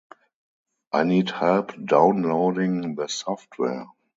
I need help downloading the software.